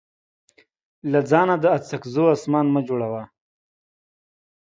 له ځانه د اڅکزو اسمان مه جوړوه.